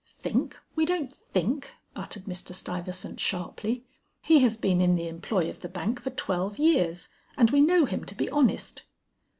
"Think? we don't think," uttered Mr. Stuyvesant sharply. "He has been in the employ of the bank for twelve years, and we know him to be honest."